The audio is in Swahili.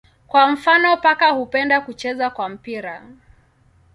Kwa mfano paka hupenda kucheza kwa mpira.